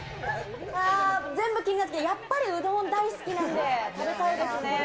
全部気になりますけど、やっぱりうどん大好きなんで、食べたいですね。